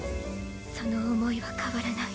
その思いは変わらない。